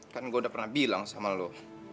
kan gue udah pernah bilang sama lo